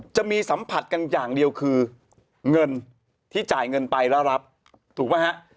จะมีสัมผัสกันอย่างเดียวคือเงินที่จ่ายเงินไปแล้วรับถูกไหมฮะ